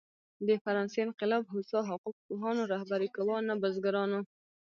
د فرانسې انقلاب هوسا حقوق پوهانو رهبري کاوه، نه بزګرانو.